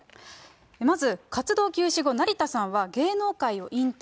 まず活動休止後、成田さんは芸能界を引退。